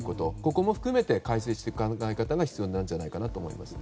ここも含めて改正していく考え方が必要だと思います。